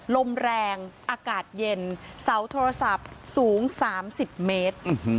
ลมแรงอากาศเย็นเสาโทรศัพท์สูงสามสิบเมตรอืมฮืม